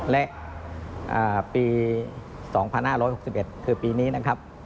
และปี๒๕๖๑คือปีนี้นะครับ